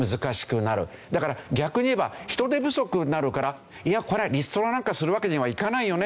だから逆にいえば人手不足になるからいやこれはリストラなんかするわけにはいかないよね。